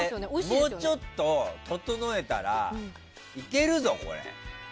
もうちょっと整えたらいけるぞ。